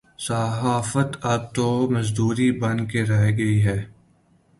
صحافت اب تو مزدوری بن کے رہ گئی ہے۔